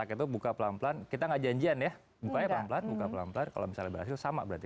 itu buka pelan pelan kita enggak janjian ya buka pelan pelan kalau misalnya berhasil sama berarti